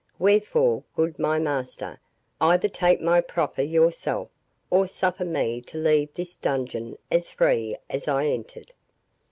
Wherefore, good my master, either take my proffer yourself, or suffer me to leave this dungeon as free as I entered."